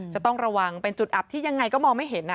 จะต้องระวังเป็นจุดอับที่ยังไงก็มองไม่เห็น